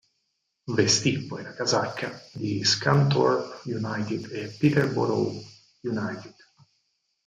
Vestì poi la casacca di Scunthorpe United e Peterborough United.